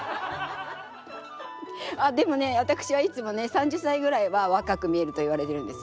あっでもねわたくしはいつもね３０さいぐらいはわかく見えるといわれてるんですよ。